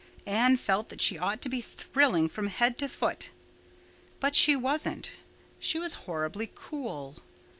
Anne felt that she ought to be thrilling from head to foot. But she wasn't; she was horribly cool.